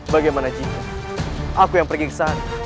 bagaimana jika aku yang pergi ke sana